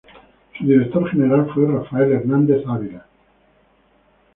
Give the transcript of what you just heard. Su Director General fue Rafael Hernández Ávila.